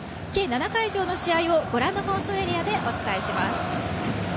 ７会場の試合をご覧の放送エリアでお伝えします。